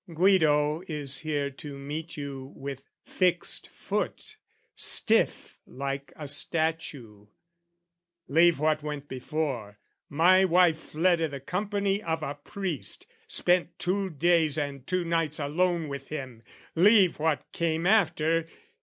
Guido is here to meet you with fixed foot, Stiff like a statue "Leave what went before! "My wife fled i' the company of a priest, "Spent two days and two nights alone with him: "Leave what came after!"